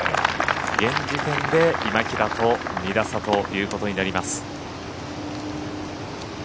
現時点で今平と２打差ということになります。